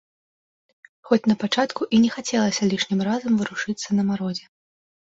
Хоць на пачатку і не хацелася лішнім разам варушыцца на марозе.